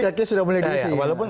ceknya sudah mulai dirisik